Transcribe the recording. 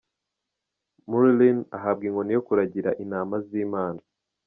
Murlyne ahabwa inkoni yo kuragira intama z'Imana .